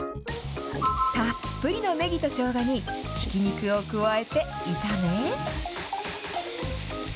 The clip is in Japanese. たっぷりのねぎとしょうがにひき肉を加えて炒め。